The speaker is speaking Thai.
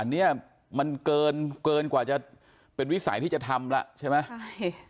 อันนี้มันเกินเกินกว่าจะเป็นวิสัยที่จะทำแล้วใช่ไหมใช่